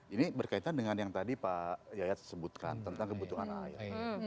ini berkaitan dengan yang tadi pak yayat sebutkan tentang kebutuhan air